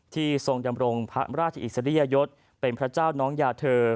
ทรงดำรงพระราชอิสริยยศเป็นพระเจ้าน้องยาเธอ